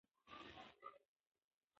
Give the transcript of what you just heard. ډاکټره دا حالت له باغ سره پرتله کوي.